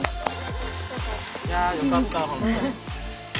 いやよかった本当。